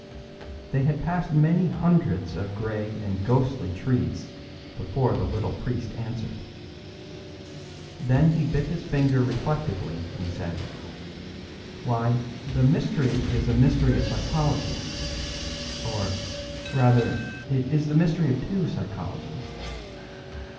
They had passed many hundreds of grey and ghostly trees before the little priest answered. Then he bit his finger reflectively and said: "Why, the mystery is a mystery of psychology. Or, rather, it is a mystery of two psychologies.